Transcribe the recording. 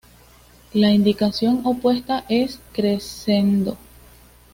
La indicación opuesta es "crescendo".